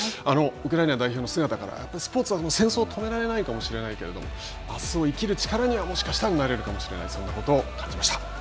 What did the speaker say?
ウクライナ代表の姿から、スポーツは、戦争を止められないかもしれないけど、あすを生きる力にはもしかしたらなれるかもしれない、そんなことを感じました。